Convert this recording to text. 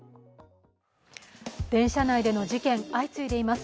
電車内での事件、相次いでいます